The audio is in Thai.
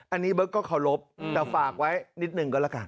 อันนี้เบิ๊กก็ขอรบแต่ฝากไว้นิดหนึ่งก็ละกัน